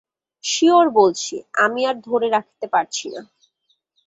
Sure বলছি, আমি আর ধরে রাখতে পারছি না।